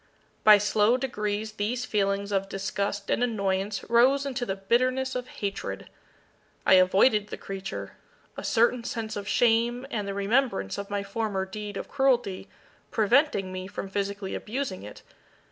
By slow degrees these feelings of disgust and annoyance rose into the bitterness of hatred. I avoided the creature; a certain sense of shame, and the remembrance of my former deed of cruelty, preventing me from physically abusing it.